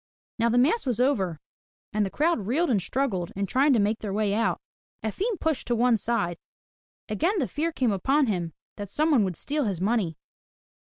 Now the mass was over and the crowd reeled and struggled, in trying to make their way out. Efim was pushed to one side. Again the fear came upon him that some one would steal his money.